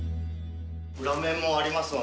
裏面もありますので。